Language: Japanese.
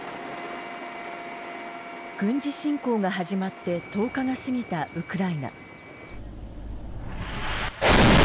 軍事侵攻が始まって１０日が過ぎたウクライナ。